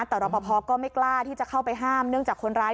แต่รอปภก็ไม่กล้าที่จะเข้าไปห้ามเนื่องจากคนร้าย